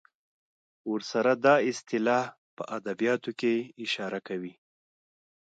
ورسره دا اصطلاح په ادبیاتو کې اشاره کوي.